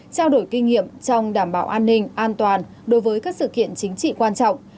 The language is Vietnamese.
trao đổi kinh nghiệm trong đảm bảo an ninh an toàn đối với các sự kiện chính trị quan trọng